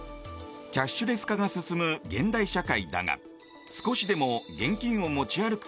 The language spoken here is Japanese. キャッシュレス化が進む現代社会だが少しでも現金を持ち歩く